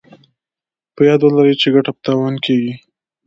په ياد ولرئ چې ګټه په تاوان کېږي.